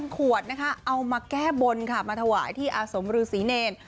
ขวดนะคะเอามาแก้บนค่ะมาถวายที่อาสมฤษีเนร